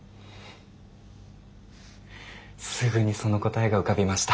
すぐにその答えが浮かびました。